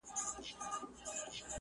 سل ځله یې زموږ پر کچکولونو زهر وشیندل٫